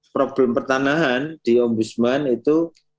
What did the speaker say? problem pertanahan di ombudsman itu